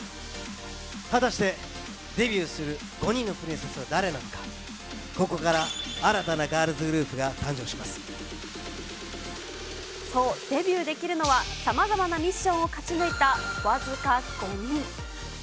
果たして、デビューする５人のプリンセスは誰なのか、ここから新たなガールそう、デビューできるのは、さまざまなミッションを勝ち抜いた僅か５人。